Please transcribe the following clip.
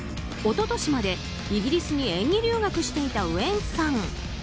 一昨年までイギリスに演技留学していたウエンツさん。